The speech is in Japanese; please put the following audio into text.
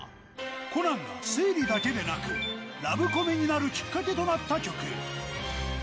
コナンが推理だけでなく、ラブコメになるきっかけとなった曲。